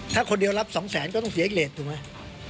ถ้าคนเดียวรับสองแสนก็ต้องเสียอีกเลสถูกไหม